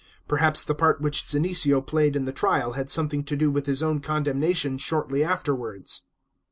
Perhaps the part which Senecio played in the trial had something to do with his own condemnation shortly afterwards.